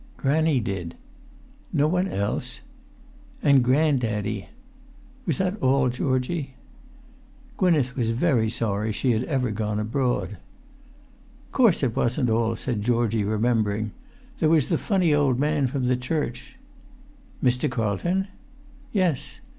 "Granny did." "No one else?" "An' grand daddy." "Was that all, Georgie?" Gwynneth was very sorry she had ever gone abroad. "Course it wasn't all," said Georgie, remembering. "There was the funny old man from the church." "Mr. Carlton?" "Yes."